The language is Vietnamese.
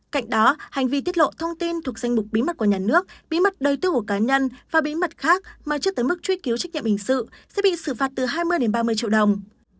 cạnh đó hành vi tiết lộ thông tin thuộc danh mục bí mật của nhà nước bí mật đời tư của cá nhân và bí mật khác mà trước tới mức truy cứu trách nhiệm hình sự sẽ bị xử phạt từ hai mươi ba mươi triệu đồng